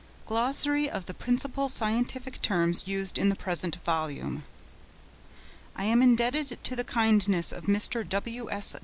GLOSSARY OF THE PRINCIPAL SCIENTIFIC TERMS USED IN THE PRESENT VOLUME.* * I am indebted to the kindness of Mr. W.S.